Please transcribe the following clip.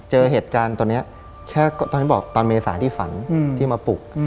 เจอเหตุการณ์ตัวนี้แค่ตอนเมษายที่ฝันที่มาปลูก